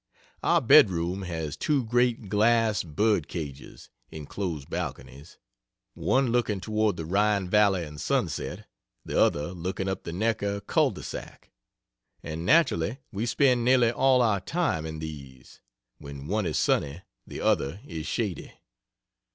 Our bedroom has two great glass bird cages (enclosed balconies) one looking toward the Rhine valley and sunset, the other looking up the Neckar cul de sac, and naturally we spend nearly all our time in these when one is sunny the other is shady.